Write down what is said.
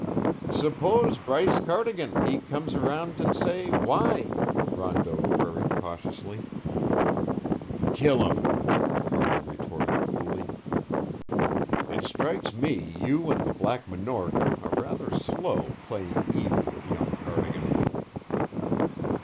"Suppose Bryce Cardigan, he comes around and say 'Why?'" Rondeau queried cautiously. "Kill him," the Colonel retorted coolly. "It strikes me you and the Black Minorca are rather slow playing even with young Cardigan."